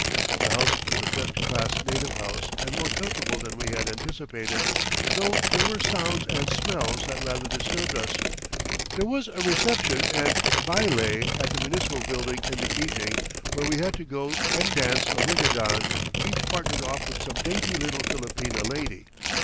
The house was a best class native house and more comfortable than we had anticipated, though there were sounds and smells that rather disturbed us. There was a reception and baile at the municipal building in the evening, where we had to go and dance a rigodon, each partnered off with some dainty little Filipina lady.